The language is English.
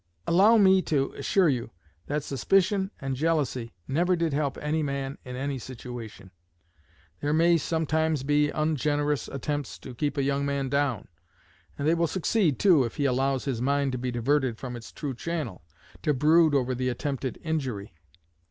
Allow me to assure you that suspicion and jealousy never did help any man in any situation. There may sometimes be ungenerous attempts to keep a young man down; and they will succeed, too, if he allows his mind to be diverted from its true channel, to brood over the attempted injury.